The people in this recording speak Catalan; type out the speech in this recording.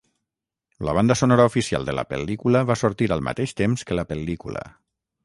La banda sonora oficial de la pel·lícula va sortir al mateix temps que la pel·lícula.